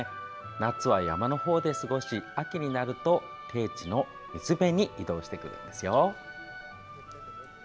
夏は山の方で過ごし、秋になると低地の水辺に移動してくるんです。